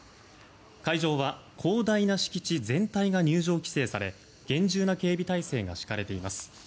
会場は広大な敷地全体が入場規制され厳重な警備態勢が敷かれています。